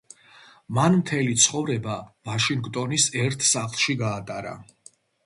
მან მთელი ცხოვრება ვაშინგტონის ერთ სახლში გაატარა.